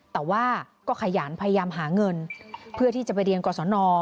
แต่ว่าก็ขยันพยายามหาเงินเพื่อที่จะไปเรียนกรสน